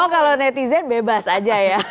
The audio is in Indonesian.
oh kalau netizen bebas aja ya